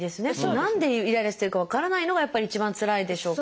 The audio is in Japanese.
何でイライラしてるか分からないのがやっぱり一番つらいでしょうから。